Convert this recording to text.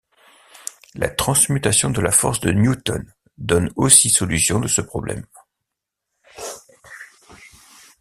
La transmutation de la force de Newton donne aussi solution de ce problème.